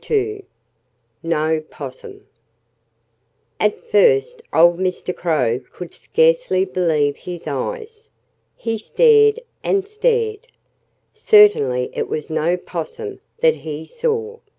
II No 'Possum At first old Mr. Crow could scarcely believe his eyes. He stared and stared. Certainly it was no 'possum that he saw.